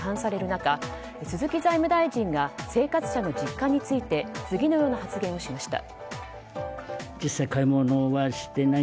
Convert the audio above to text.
中鈴木財務大臣が生活者の実感について次のような発言をしました。